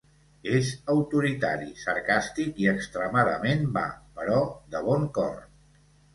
És autoritari, sarcàstic i extremadament va, però de bon cor.